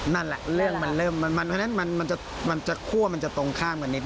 นั่นแหละเรื่องมันเริ่มมันจะคั่วมันจะตรงข้างกันนิด